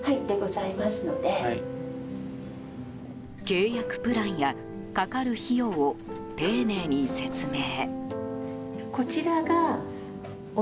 契約プランやかかる費用を丁寧に説明。